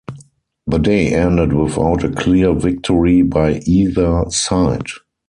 The day ended without a clear victory by either side.